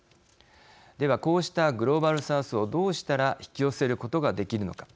では、こうしたグローバル・サウスをどうしたら引き寄せることができるのか。